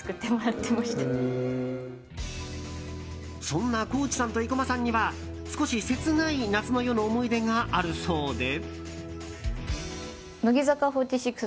そんな高地さんと生駒さんには少し切ない夏の夜の思い出があるそうで。